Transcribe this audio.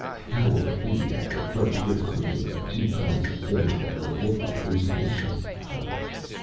How will it be at the first critical meeting of two kinds of things that will look like hallucinations to each other?